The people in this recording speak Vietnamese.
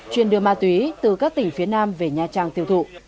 chuyên đưa ma túy từ các tỉnh phía nam về nha trang tiêu thụ